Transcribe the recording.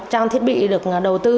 trang thiết bị được đầu tư